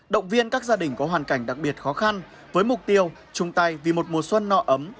động viên các gia đình có hoàn cảnh đặc biệt khó khăn với mục tiêu chung tay vì một mùa xuân no ấm